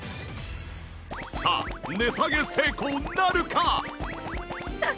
さあ値下げ成功なるか？